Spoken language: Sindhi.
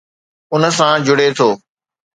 ان سان جڙي ٿو.